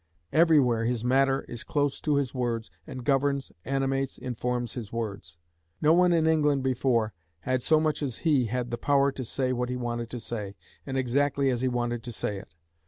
Everywhere his matter is close to his words, and governs, animates, informs his words. No one in England before had so much as he had the power to say what he wanted to say, and exactly as he wanted to say it.